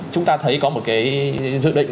chúng ta thấy có một cái dự định